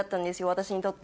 私にとって。